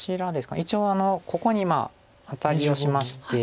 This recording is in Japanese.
一応ここにアタリをしまして。